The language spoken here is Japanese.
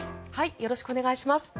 よろしくお願いします。